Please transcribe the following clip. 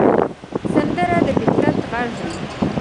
سندره د فطرت غږ دی